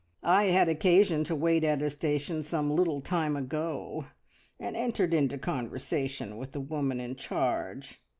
I had occasion to wait at a station some little time ago, and entered into conversation with the woman in charge.